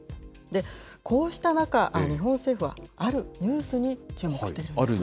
こうした中、日本政府はあるニュースに注目しているんです。